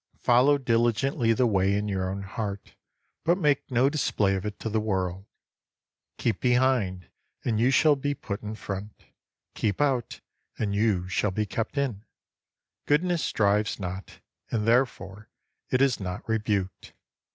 Follow diligently the Way in your own heart, but make no display of it to the world. Keep behind, and you shall be put in front ; keep out, and you shall be kept in. Goodness strives not, and therefore it is not rebuked.